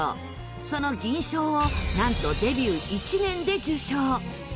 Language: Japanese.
その銀賞をなんとデビュー１年で受賞。